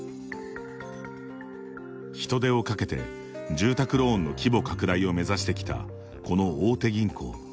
人手をかけて住宅ローンの規模拡大を目指してきたこの大手銀行。